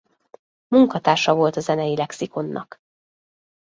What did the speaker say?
Munkatársa volt a Zenei lexikonnak.